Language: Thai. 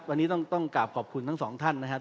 วันนี้ต้องกราบขอบคุณทั้งสองท่านนะครับ